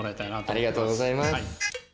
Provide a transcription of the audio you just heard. ありがとうございます。